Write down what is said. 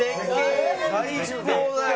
最高だよ！